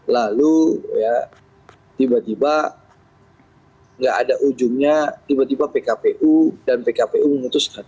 lalu tiba tiba nggak ada ujungnya tiba tiba pkpu dan pkpu memutuskan